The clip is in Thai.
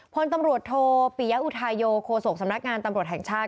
พลตำรวจโทปิยะอุทาโยโคศกสำนักงานตำรวจแห่งชาติ